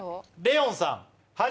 レオンさん。